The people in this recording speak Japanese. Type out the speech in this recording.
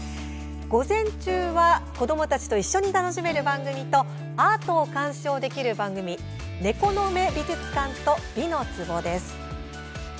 午前中は子どもたちと一緒に楽しめる番組とアートを鑑賞できる番組「ねこのめ美じゅつかん」と「美の壺」です。